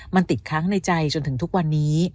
มันติดค้างในใจจนถึงทุกวันนี้